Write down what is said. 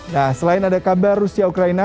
nah selain ada kabar rusia ukraina